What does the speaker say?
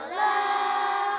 bangsa dan tanah